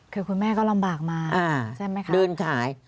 คือคุณแม่ก็ลำบากมา